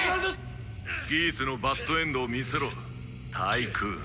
ギーツのバッドエンドを見せろタイクーン。